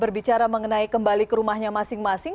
berbicara mengenai kembali ke rumahnya masing masing